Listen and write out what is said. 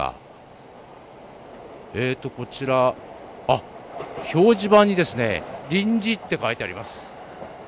こちら、表示板にですね、臨時って書いてあります。